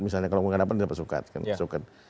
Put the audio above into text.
misalnya kalau nggak dapat dapat suket